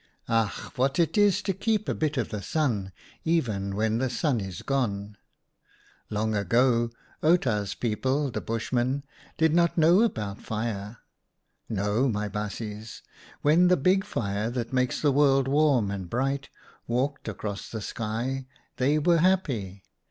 " Ach ! what it is to keep a bit of the Sun even when the Sun is gone ! Long ago Outa's people, the Bushmen, did not know about fire. No, my baasjes, when the Big Fire, that makes the world warm and bright, walked across the sky, they were happy.